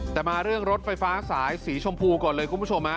แต่มาเรื่องรถไฟฟ้าสายสีชมพูก่อนเลยคุณผู้ชม